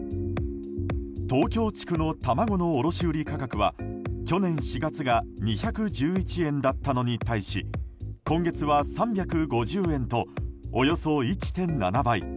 東京地区の卵の卸売価格は去年４月が２１１円だったのに対し今月は３５０円とおよそ１．７倍。